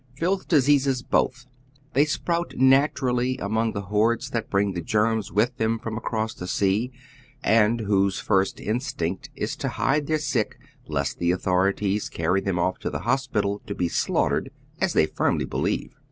l^Ilth diseasea both, they sprout naturally among the hordes that bring the germa with them from across the sea, and whose first instinct is to hide their sick lest the authorities carry them off to tlie hospital to be slaughtered, as they firmly believe.